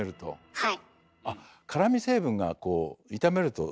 はい。